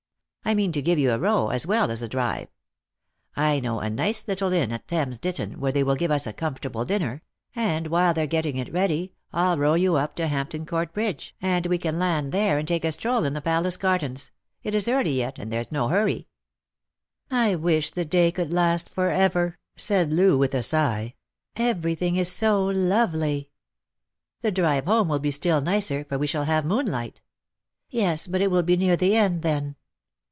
I mean to give you a row, as well as a drive. I know a nice little inn at Thames Ditton where they will give us a comfortable dinner ; and while they're getting it ready, I'll row you up to Hampton Court bridge, and we can land there and take a stroll in the Palace gardens ; it is early yet, and there's no hurry," " I wish the day could last for ever," said. Loo, with a sigh ;" everything is so lovely." " The drive home will be still nicer, for we shall have moon light." " Yes, but it will be near the end then